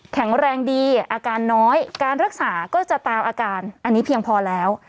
แข็งแรงดีอาการน้อยการรักษาก็จะตามอาการอันนี้เพียงพอแล้ว